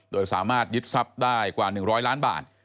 โดยสามารถยึดทรัพย์ได้กว่าหนึ่งร้อยล้านบาท